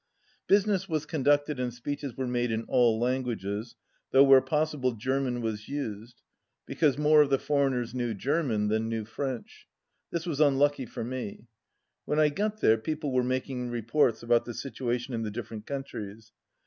Business was conducted and speeches were made in all languages, though where possible German was usied, because more of the foreigners knew German than knew French. This was un lucky for me. When I got there people were making reports about the situation in the different countries.